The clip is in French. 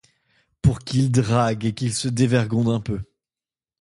pour qu'il drague et qu'il se dévergonde un peu.